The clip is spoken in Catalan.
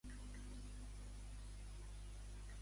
Segons el relat, qui era Minakxi?